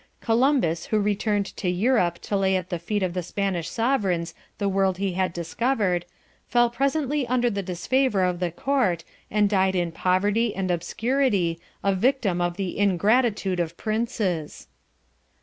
"Columbus who returned to Europe to lay at the feet of the Spanish sovereigns the world he had discovered, fell presently under the disfavour of the court, and died in poverty and obscurity, a victim of the ingratitude of princes."